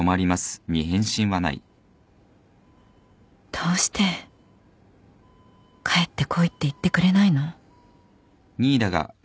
どうして帰ってこいって言ってくれないの？